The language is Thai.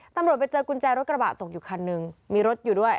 ตำรวจไปเจอกุญแจรถกระบะตกอยู่คันนึงมีรถอยู่ด้วย